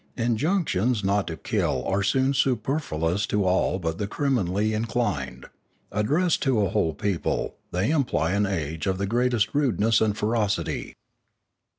Injunctions not to kill are soon superfluous to all but the criminally in clined ; addressed to a whole people, they imply an age of the greatest rudeness and ferocity.